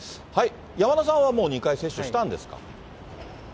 山田さんはもう、２回接種したんですか？